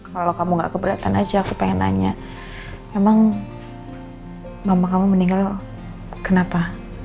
kalau kamu gak keberatan aja aku pengen nanya emang mama kamu meninggal kenapa